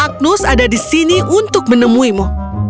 agnus ada di sini untuk menemuimu